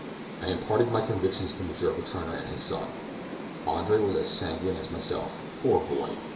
I imparted my convictions to M. Letourneur and his son. Andre was as sanguine as myself; poor boy!